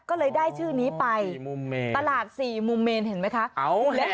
ก็เลยได้ชื่อนี้ไปตลาดสี่มุมเมนเห็นไหมคะ